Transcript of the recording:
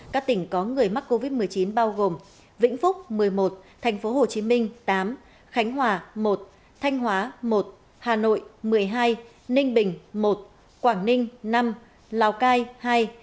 các tỉnh có người mắc covid một mươi chín bao gồm vĩnh phúc một mươi một tp hcm tám khánh hòa một thanh hóa một hà nội một mươi hai ninh bình một quảng ninh năm lào cai hai